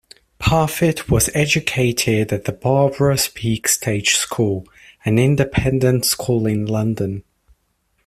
Parfitt was educated at the Barbara Speake Stage School, an independent school in London.